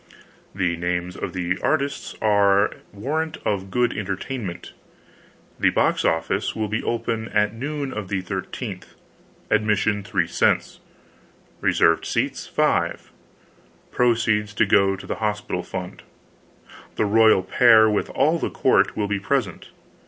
The n ames of the artists are warrant of good enterTemment. The box office will be open at noon of the 13th; ad mission 3 cents, reserved seatsh 5; pro ceeds to go to the hospital fund The royal pair and all the Court will be pres ent.